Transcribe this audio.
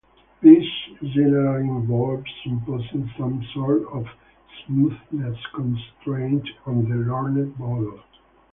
This generally involves imposing some sort of smoothness constraint on the learned model.